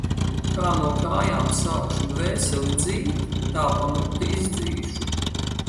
Kā no kājām sākšu dvēseli dzīt, tā pa muti izdzīšu.